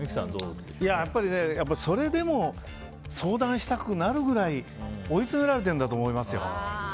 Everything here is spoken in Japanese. それでも相談したくなるぐらい追いつめられてるんだと思います。